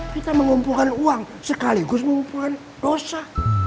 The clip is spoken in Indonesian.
kita mengumpulkan uang sekaligus mengumpulkan dosa